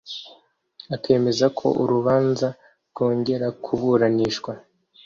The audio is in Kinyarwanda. akemeza ko urubanza rwongera kuburanishwa